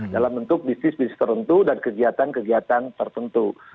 dalam bentuk bisnis bisnis tertentu dan kegiatan kegiatan tertentu